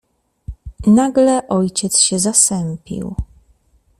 "Nagle ojciec się zasępił."